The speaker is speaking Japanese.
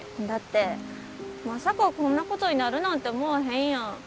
だってまさかこんなことになるなんて思わへんやん。